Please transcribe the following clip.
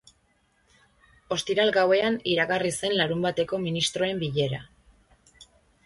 Ostiral gauean iragarri zen larunbateko ministroen bilera.